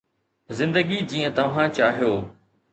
زندگي جيئن توهان چاهيو